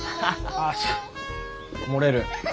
あ漏れる。